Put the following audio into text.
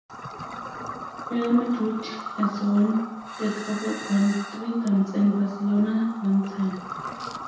Real Madrid has won the Triple Crown three times and Barcelona one time.